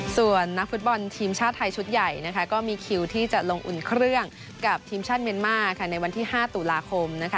ส่วนนักฟุตบอลทีมชาติไทยชุดใหญ่นะคะก็มีคิวที่จะลงอุ่นเครื่องกับทีมชาติเมียนมาร์ค่ะในวันที่๕ตุลาคมนะคะ